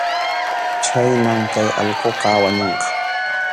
Chhaynam kay allquqa wañunqa.